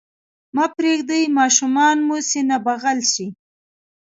مه پرېږدئ ماشومان مو سینه بغل شي.